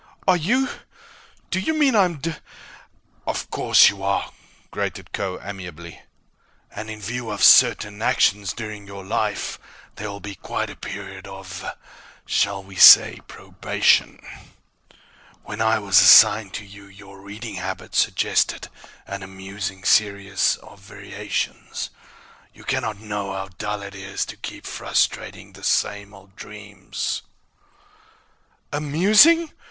"Are you Do you mean I'm ... d d d ?" "Of course you are," grated Kho amiably. "And in view of certain actions during your life, there will be quite a period of shall we say probation. When I was assigned to you, your reading habits suggested an amusing series of variations. You cannot know how dull it is to keep frustrating the same old dreams!" "Amusing?"